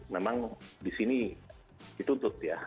memang di sini ditutup ya